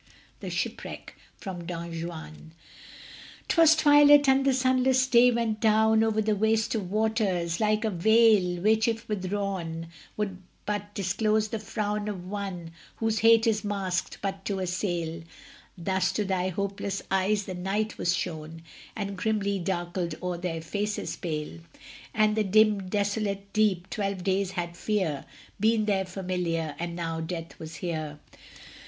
THE SHIPWRECK From 'Don Juan' 'Twas twilight, and the sunless day went down Over the waste of waters; like a veil Which, if withdrawn, would but disclose the frown Of one whose hate is masked but to assail; Thus to their hopeless eyes the night was shown, And grimly darkled o'er their faces pale, And the dim desolate deep: twelve days had Fear Been their familiar, and now Death was here.